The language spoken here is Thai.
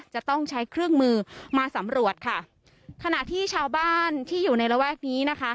จะต้องใช้เครื่องมือมาสำรวจค่ะขณะที่ชาวบ้านที่อยู่ในระแวกนี้นะคะ